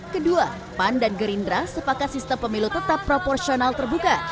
kedua pan dan gerindra sepakat sistem pemilu tetap proporsional terbuka